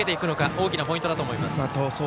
大きなポイントだと思います。